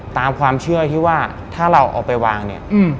ตามความเชื่อที่ว่าถ้าเราเอาไปวางเนี่ย